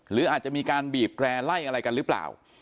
หรืออาจจะมีการบีบแร่ไล่อะไรกันหรือเปล่า